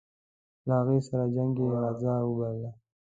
له هغوی سره جنګ یې غزا وبلله.